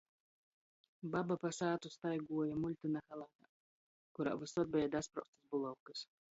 Baba pa sātu staiguoja muļtyna halatā, kurā vysod beja daspraustys bulavkys.